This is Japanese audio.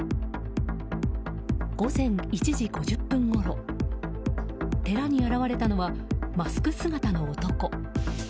午前１時５０分ごろ寺に現れたのはマスク姿の男。